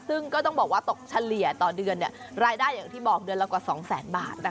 ซึ่งก็ต้องบอกว่าตกเฉลี่ยต่อเดือนรายได้อย่างที่บอกเดือนละกว่า๒แสนบาท